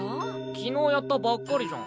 昨日やったばっかりじゃん。